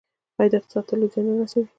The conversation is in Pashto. آیا دا اقتصاد ته لوی زیان نه رسوي؟